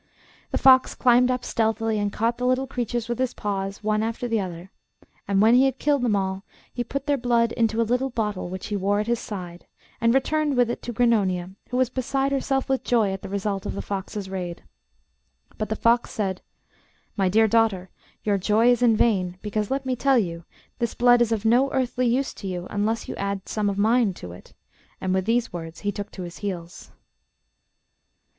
The fox climbed up stealthily and caught the little creatures with his paws one after the other; and when he had killed them all he put their blood into a little bottle which he wore at his side and returned with it to Grannonia, who was beside herself with joy at the result of the fox's raid. But the fox said, 'My dear daughter, your joy is in vain, because, let me tell you, this blood is of no earthly use to you unless you add some of mine to it,' and with these words he took to his heels.